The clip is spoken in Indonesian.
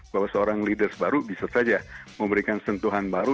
bahwa seorang leaders baru bisa saja memberikan sentuhan baru